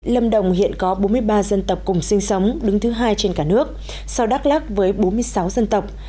lâm đồng hiện có bốn mươi ba dân tộc cùng sinh sống đứng thứ hai trên cả nước sau đắk lắc với bốn mươi sáu dân tộc